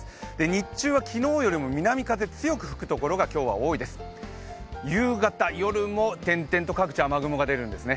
日中は昨日よりもい南風が強く吹くところが今日は多いです、夕方、夜も点々と各地、雨雲が出るんですね。